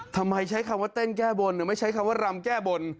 ใช้คำว่าเต้นแก้บนหรือไม่ใช้คำว่ารำแก้บน